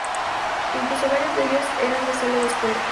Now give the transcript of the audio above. Incluso varios de ellos eran de sólo dos puertas.